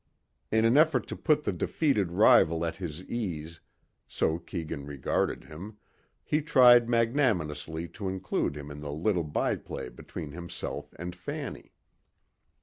In an effort to put the defeated rival at his ease, so Keegan regarded him, he tried magnanimously to include him in the little byplay between himself and Fanny.